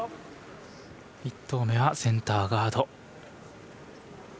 １投目はセンターガード。